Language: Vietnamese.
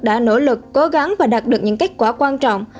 đã nỗ lực cố gắng và đạt được những kết quả quan trọng